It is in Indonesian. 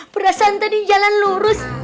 perasaan tadi jalan lurus